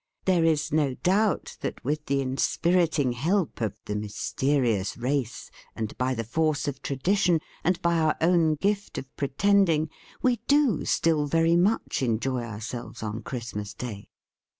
There is no doubt that, with the inspiriting help of the mysterious race, and by the force of tradition, and by our own gift of pretending, we do still very much enjoy ourselves on Christmas Day.